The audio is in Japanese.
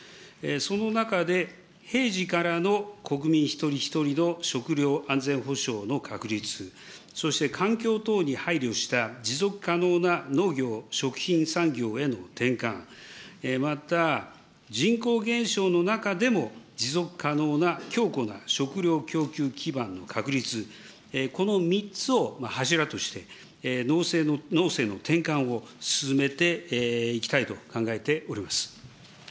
その中で、平時からの国民一人一人の食料安全保障の確立、そして環境等に配慮した持続可能な農業、食品産業への転換、また人口減少の中でも持続可能な強固な食料供給基盤の確立、この３つを柱として、農政の転換を進めていきたいと考えております。